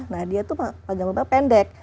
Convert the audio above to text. nah dia itu panjang gelombangnya pendek